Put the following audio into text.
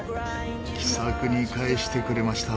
気さくに返してくれました。